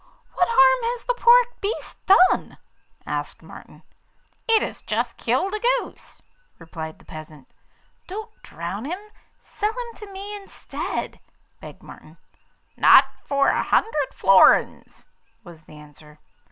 'What harm has the poor beast done?' said Martin. 'It has just killed a goose,' replied the peasant. 'Don't drown him, sell him to me instead,' begged Martin. 'Not for a hundred florins,' was the answer.